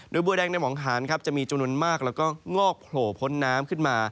โดยบัวแดงในหมองหานครับจะมีจำนวนมากแล้วก็งอกโผล่พ้นน้ำขึ้นมา